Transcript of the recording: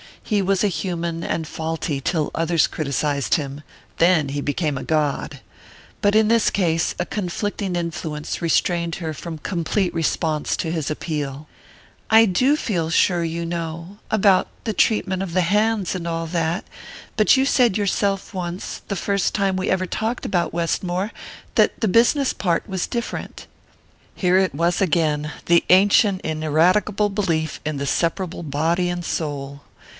He was human and faulty till others criticized him then he became a god. But in this case a conflicting influence restrained her from complete response to his appeal. "I do feel sure you know about the treatment of the hands and all that; but you said yourself once the first time we ever talked about Westmore that the business part was different " Here it was again, the ancient ineradicable belief in the separable body and soul!